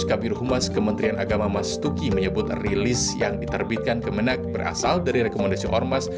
kabir humas kementerian agama mas tuki menyebut rilis yang diterbitkan kemenang berasal dari rekomendasi ormas